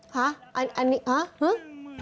ฮะอันนี้ฮะฮึ